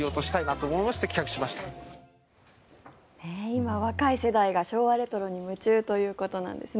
今、若い世代が昭和レトロに夢中ということなんです。